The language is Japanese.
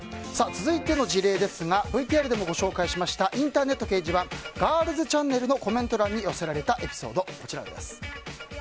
続いての事例ですがＶＴＲでもご紹介しましたインターネット掲示板ガールズちゃんねるのコメント欄に寄せられたエピソードです。